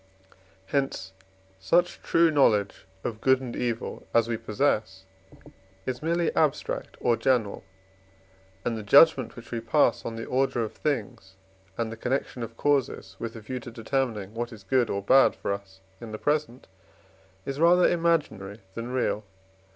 Hence such true knowledge of good and evil as we possess is merely abstract or general, and the judgment which we pass on the order of things and the connection of causes, with a view to determining what is good or bad for us in the present, is rather imaginary than real.